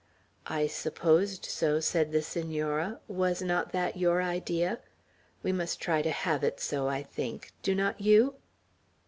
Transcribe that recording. "I supposed so," said the Senora. "Was not that your idea? We must try to have it so, I think. Do not you?"